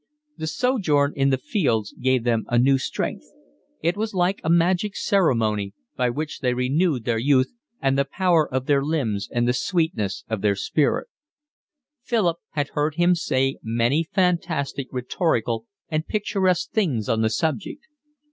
The sojourn in the fields gave them a new strength; it was like a magic ceremony, by which they renewed their youth and the power of their limbs and the sweetness of the spirit: Philip had heard him say many fantastic, rhetorical, and picturesque things on the subject.